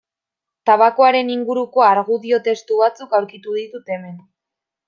Tabakoaren inguruko argudio testu batzuk aurkitu ditut hemen.